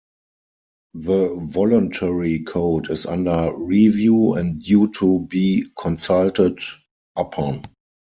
The voluntary code is under review and due to be consulted upon.